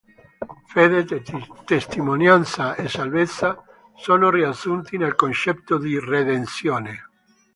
Fede, testimonianza e salvezza sono riassunti nel concetto di Redenzione.